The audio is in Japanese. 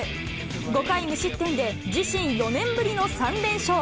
５回無失点で自身４年ぶりの３連勝。